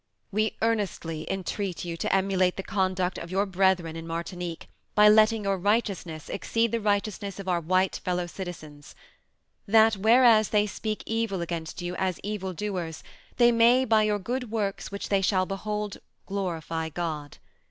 We earnestly entreat you to emulate the conduct of your brethren in Martinique by letting your righteousness exceed the righteousness of our white fellow citizens. "That whereas they speak evil against you as evil doers, they may by your good works which they shall behold glorify God.